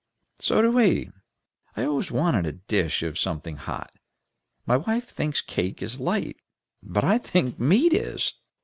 "So do we. I always want a dish of something hot. My wife thinks cake is light, but I think meat is."